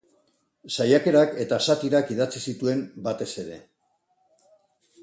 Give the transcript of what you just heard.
Saiakerak eta satirak idatzi zituen batez ere.